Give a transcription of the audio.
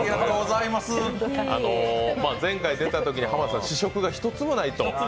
前回出たとき浜田さん、試食が一つもないと。